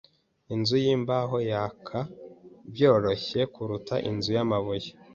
Inzu yimbaho yaka byoroshye kuruta inzu yamabuye.